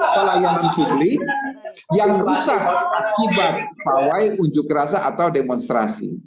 kalau yang disiplin yang rusak akibat bawai ujuk rasa atau demonstrasi